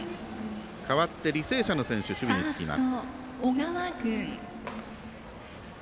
変わって履正社の選手守備につきます。